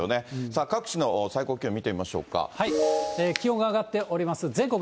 さあ、各地の最高気温見てみまし気温が上がっております。